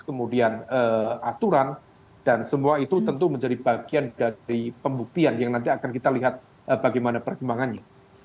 kemudian aturan dan semua itu tentu menjadi bagian dari pembuktian yang nanti akan kita lihat bagaimana perkembangannya